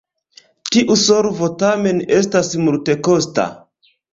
Tiu solvo tamen estas multekosta.